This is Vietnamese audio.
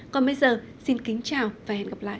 còn bây giờ xin kính chào và hẹn gặp lại